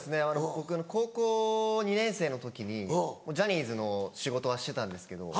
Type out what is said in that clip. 僕高校２年生の時にもうジャニーズの仕事はしてたんですけど。